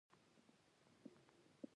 په دعا کښېنه، زړه دې نرمېږي.